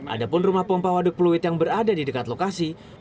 ada pun rumah pompa waduk pluit yang berada di dekat lokasi